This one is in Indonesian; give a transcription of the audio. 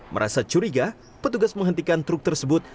merasa curiga petugas menghentikan truk tersebut